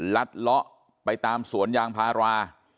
ลัดเลาะไปตามสวนยางพารา